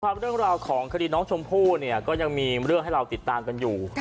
เรื่องราวของคดีน้องชมพู่เนี่ยก็ยังมีเรื่องให้เราติดตามกันอยู่